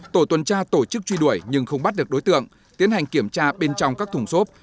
tổ tuần tra tổ chức truy đuổi nhưng không bắt được đối tượng tiến hành kiểm tra bên trong các thùng xốp